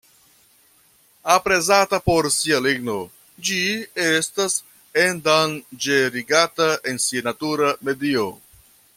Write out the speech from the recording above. Aprezata por sia ligno, ĝi estas endanĝerigata en sia natura medio.